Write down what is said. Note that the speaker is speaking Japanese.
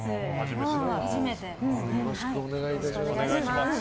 よろしくお願いします。